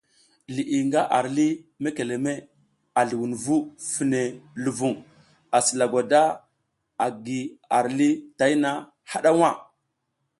Liʼi nga ar lih mekeleme a zluwunvu fine luvuŋ asi lagwada agi ar lih tayna haɗa nha.